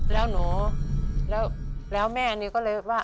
แล้วหนูแล้วแม่นี่ก็เลยว่า